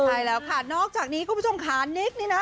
ใช่แล้วค่ะนอกจากนี้คุณผู้ชมขานิกนี่นะ